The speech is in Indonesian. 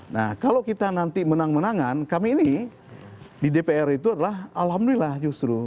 nah kalau kita nanti menang menangan kami ini di dpr itu adalah alhamdulillah justru